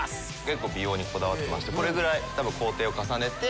結構美容にこだわってましてこれぐらい多分工程を重ねて。